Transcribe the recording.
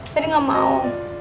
jadi gak mau